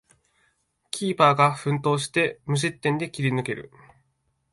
キーパーが奮闘して無失点で切り抜ける